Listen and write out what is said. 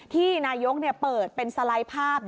ที่นายกเปิดเป็นสไลด์ภาพ